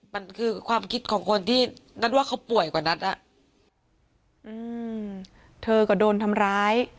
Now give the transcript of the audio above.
มันคือความคิดของคนที่นัทว่าเขาป่วยกว่านัทอ่ะอืมเธอก็โดนทำร้าย